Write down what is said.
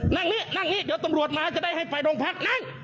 นั่งนี้นั่งนี้เดี๋ยวตำรวจมาจะได้ให้ไปโรงพักนั่ง